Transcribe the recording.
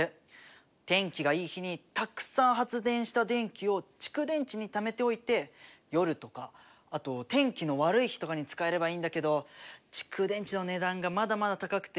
天気がいい日にたくさん発電した電気を蓄電池にためておいて夜とかあと天気の悪い日とかに使えればいいんだけど蓄電池の値段がまだまだ高くてなかなか普及してないんだって。